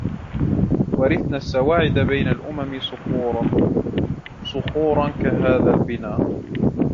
وَرِثْنَا السَّوَاعِدَ بَيْنَ الْأُمَمْ صُخُورًا صُخُورًا كَهَذَا الْبِنَا